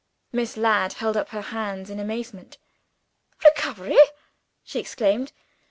Miss Ladd held up her hands in amazement. "Recovery!" she exclaimed.